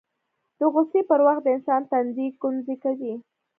د غوسې پر وخت د انسان تندی ګونځې کوي